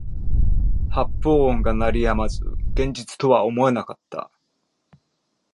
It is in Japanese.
発砲音が鳴り止まず現実とは思えなかった